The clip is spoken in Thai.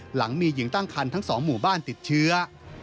หลังมีหญิงตั้งคันทั้ง๒หมู่บ้านติดเชื้อ